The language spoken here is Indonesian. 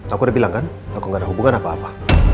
aku udah bilang kan aku gak ada hubungan apa apa